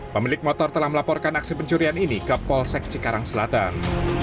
pemilik motor telah melaporkan aksi pencurian ini ke polsek cikarang selatan